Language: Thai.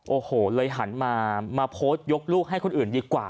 โอ้โหเลยหันมาโพสต์ยกลูกให้คนอื่นดีกว่า